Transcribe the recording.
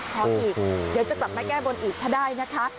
ขออีกเดี๋ยวจะกลับมาแก้บนอีกถ้าได้นะคะ